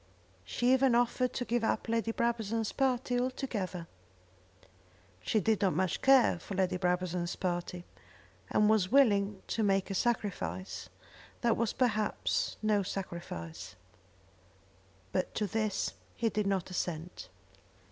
She even offered to give up Lady Brabazon's party, altogether. She did not much care for Lady Brabazon's party, and was willing to make a sacrifice that was perhaps no sacrifice. But to this he did not assent.